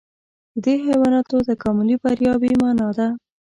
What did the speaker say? د دې حیواناتو تکاملي بریا بې مانا ده.